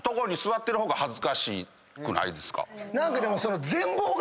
何かでも。